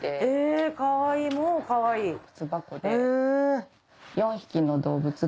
えかわいいもうかわいい。